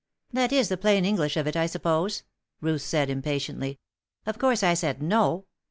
"That is the plain English of it, I suppose," Ruth said, impatiently. "Of course I said 'No.'"